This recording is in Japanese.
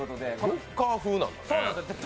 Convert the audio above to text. ロッカー風なんだね。